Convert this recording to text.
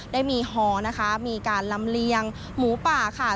ได้มีฮอนะคะมีการลำเลียงหมูป่าค่ะ